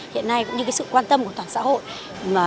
hiện nay cũng như sự quan tâm của toàn xã hội